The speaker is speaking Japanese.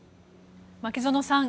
牧園さん